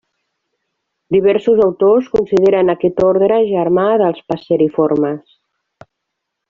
Diversos autors consideren aquest ordre germà dels passeriformes.